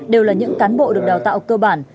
đều là những cán bộ được đào tạo cơ bản